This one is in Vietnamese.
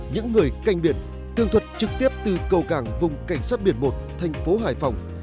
những người canh biển thường thuật trực tiếp từ cầu cảng vùng cảnh sát biển một thành phố hải phòng